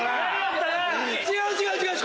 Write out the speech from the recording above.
違う違う違う！